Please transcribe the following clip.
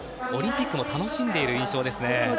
オリンピックも楽しんでいる印象ですね。